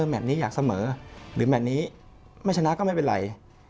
แมทนี้อยากเสมอหรือแมทนี้ไม่ชนะก็ไม่เป็นไร